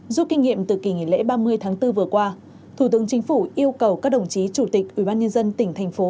giúp kinh nghiệm từ kỳ nghỉ lễ ba mươi tháng bốn vừa qua thủ tướng chính phủ yêu cầu các đồng chí chủ tịch ubnd tỉnh thành phố